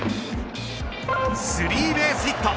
スリーベースヒット。